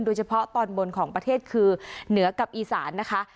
โดยเฉพาะตอนบนของประเทศคือเหนือกับอีสานนะคะ